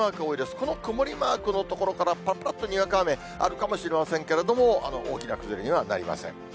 この曇りマークの所から、ぱらぱらっとにわか雨、あるかもしれませんけれども、大きな崩れにはなりません。